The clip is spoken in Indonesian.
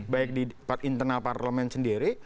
baik di internal parlemen sendiri